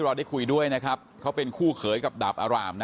เพราะไม่เคยถามลูกสาวนะว่าไปทำธุรกิจแบบไหนอะไรยังไง